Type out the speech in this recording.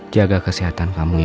jaga kesehatan kamu ya